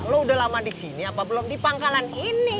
lo udah lama di sini apa belum di pangkalan ini